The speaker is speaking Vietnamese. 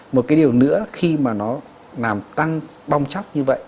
một cái điều nữa khi mà nó làm tăng bong chóc như vậy